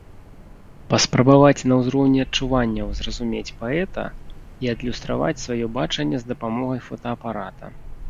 Паспрабаваць на ўзроўні адчуванняў зразумець паэта і адлюстраваць сваё бачанне з дапамогай фотаапарата.